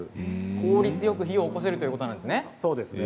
効率よく火が起こせるということなんですね。